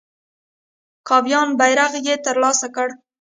کاویان بیرغ یې تر لاسه کړ.